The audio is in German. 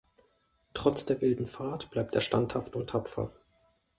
Trotz der wilden Fahrt bleibt er standhaft und tapfer.